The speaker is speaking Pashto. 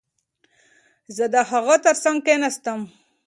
زه د هغه ترڅنګ کښېناستم.